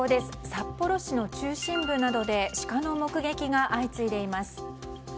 札幌市の中心部などでシカの目撃が相次いでいます。